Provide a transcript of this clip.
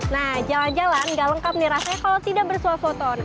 nah jalan jalan gak lengkap nih rasanya kalau tidak bersuap foto